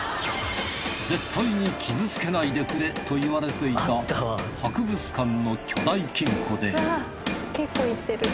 絶対に傷つけないでくれといわれていた博物館の巨大金庫で結構いってる。